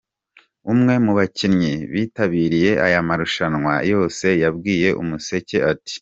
Umwe mu bakinnyi bitabiriye aya marushanwa yose yabwiye Umuseke ati